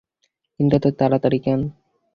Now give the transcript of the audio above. কিন্তু এত তাড়াতাড়ি কেন?